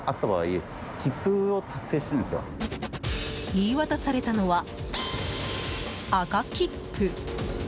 言い渡されたのは赤切符。